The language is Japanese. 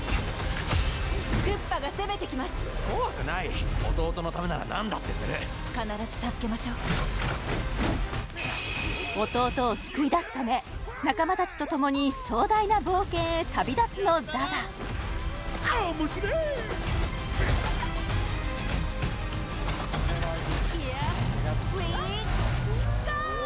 クッパが攻めてきます怖くない弟のためなら何だってする必ず助けましょう弟を救いだすため仲間達とともに壮大な冒険へ旅立つのだがああおもしれＨｅｒｅｗｅｇｏ！